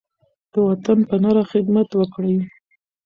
د وطن په نره خدمت وکړئ.